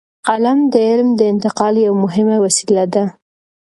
قلم د علم د انتقال یوه مهمه وسیله ده.